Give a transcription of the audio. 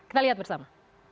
kita lihat bersama